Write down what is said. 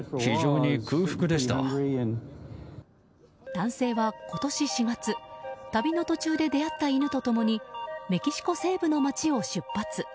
男性は今年４月旅の途中で出会った犬と共にメキシコ西部の街を出発。